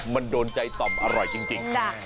มันโดนใจต่อมอร่อยจริง